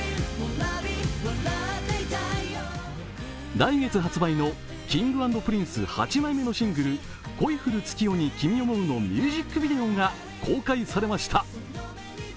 来月発売のＫｉｎｇ＆Ｐｒｉｎｃｅ、８枚目のシングル、「恋降る月夜に君想ふ」のミュージックビデオが公開されました。